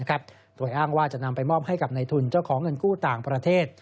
โดยอ้างว่าจะนำไปมอบให้กับในทุนเจ้าของเงินกู้ต่างประเทศ